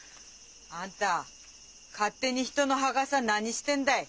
あんた勝手に人の墓さ何してんだい？